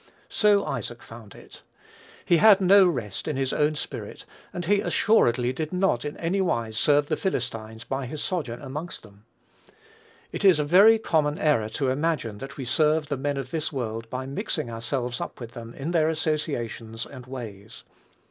So Isaac found it. He had no rest in his own spirit; and he assuredly did not in any wise serve the Philistines by his sojourn amongst them. It is a very common error to imagine that we serve the men of this world by mixing ourselves up with them in their associations and ways.